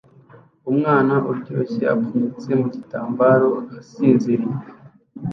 Umwana uryoshye apfunyitse mu gitambaro asinziriye